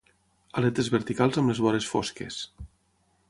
Aletes verticals amb les vores fosques.